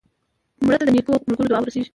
مړه ته د نیکو ملګرو دعا ورسېږي